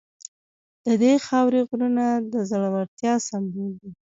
د دې خاورې غرونه د زړورتیا سمبول دي.